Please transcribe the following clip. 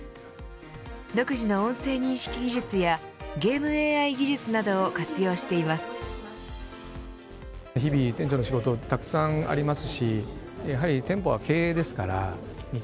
独自の音声認識技術やゲームＡＩ技術などを活用しています。